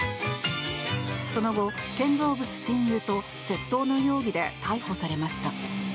その後、建造物侵入と窃盗の容疑で逮捕されました。